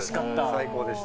最高でした。